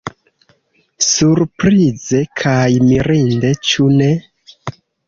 Surprize kaj mirinde, ĉu ne?